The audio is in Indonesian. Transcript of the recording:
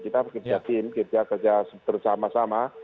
kita bekerja tim kerja kerja terus sama sama